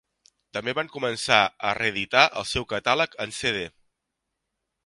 També van començar a reeditar el seu catàleg en CD.